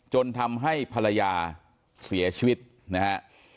จนทำให้ภรรยาเสียชีวิตนะฮะ